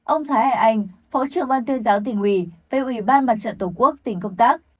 ông thái hải anh phó trưởng ban tuyên giáo tỉnh ủy về ủy ban mặt trận tổ quốc tỉnh công tác